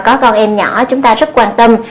có con em nhỏ chúng ta rất quan tâm